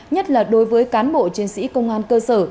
nhất là đối với cán bộ chiến sĩ công an cơ sở